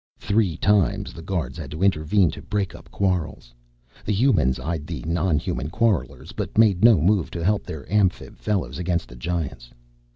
Three times the guards had to intervene to break up quarrels. The Humans eyed the non human quarrelers, but made no move to help their Amphib fellows against the Giants.